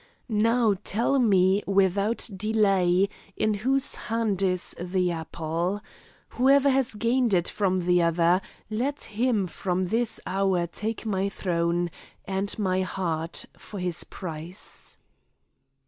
Now tell me, without delay, in whose hand is the apple. Whoever has gained it from the other, let him from this hour take my throne and my heart for his prize."